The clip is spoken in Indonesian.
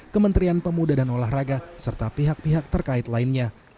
kementerian pemuda dan olahraga serta pihak pihak terkait lainnya